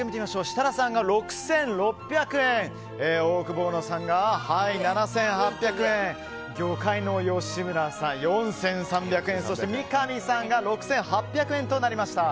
設楽さんが６６００円オオクボーノさんが７８００円魚介の吉村さん、４３００円そして三上さんが６８００円となりました。